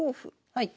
はい。